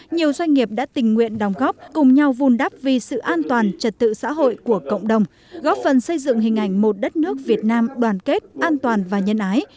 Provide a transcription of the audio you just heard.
nhiều doanh nghiệp đã tình nguyện đồng góp cùng nhau vun đắp vì sự an toàn trật tự xã hội của cộng đồng góp phần xây dựng hình ảnh một đất nước việt nam đoàn kết an toàn và nhân ái